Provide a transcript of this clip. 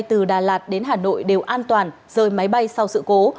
từ đà lạt đến hà nội đều an toàn rời máy bay sau sự cố